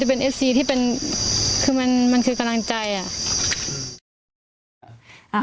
เป็นเอฟซีที่เป็นคือมันคือกำลังใจอ่ะ